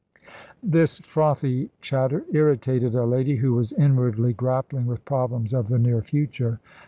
This frothy chatter irritated a lady who was inwardly grappling with problems of the near future.